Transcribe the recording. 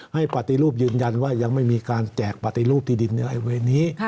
ให้ปฏิรูปยืนยันว่ายังไม่มีการแจกปฏิรูปที่ดินในเวรนี้